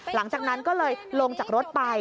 หลังจากนั้นก็เลยลงจากรถไป